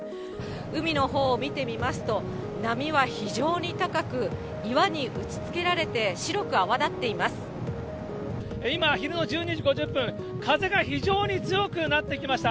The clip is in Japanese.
海のほう見てみますと、波は非常に高く、岩に打ちつけられて、今、昼の１２時５０分、風が非常に強くなってきました。